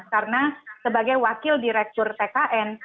karena sebagai wakil direktur tkn